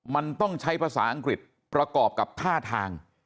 มันต้องใช้ภาษาอังกฤษประกอบกับท่าทาง